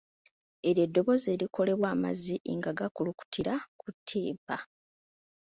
Eryo ddoboozi erikolebwa amazzi nga gakulukutira ku ttimpa.